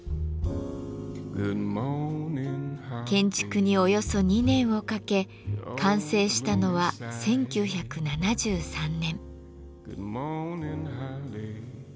建築におよそ２年をかけ完成したのは１９７３年。